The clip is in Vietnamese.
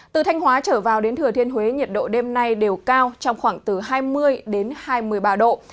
từ thanh hóa trở vào đến thừa thiên huế nhiệt độ đêm nay đều cao trong khoảng từ hai mươi hai mươi ba độ